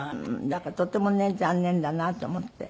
だからとってもね残念だなと思って。